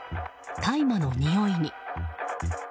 大麻のにおいに。